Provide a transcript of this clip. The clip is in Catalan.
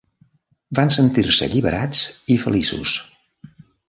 Van sentir-se alliberats i feliços.